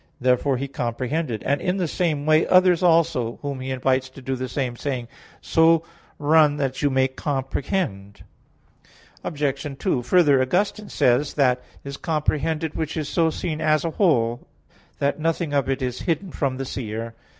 Therefore he comprehended; and in the same way, others also, whom he invites to do the same, saying: "So run that you may comprehend." Obj. 2: Further, Augustine says (De Vid. Deum, Ep. cxlvii): "That is comprehended which is so seen as a whole, that nothing of it is hidden from the seer."